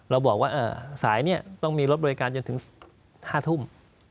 เราบอกว่าสายนี้ต้องมีรถบริการจนถึง๕ทุ่ม